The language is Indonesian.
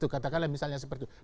katakanlah misalnya seperti itu